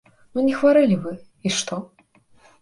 Ну не хварэлі вы, і што?